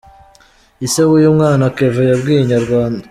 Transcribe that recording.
Ise w’uyu mwana Kevin yabwiye Inyarwanda.